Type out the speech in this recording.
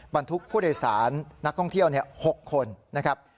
บรรทุกผู้โดยสารนักท่องเที่ยว๖คนนะครับ